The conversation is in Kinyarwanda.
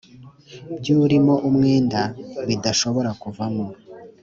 by urimo umwenda bidashobora kuvamo